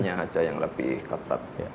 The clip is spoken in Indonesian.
ya keamanannya aja yang lebih ketat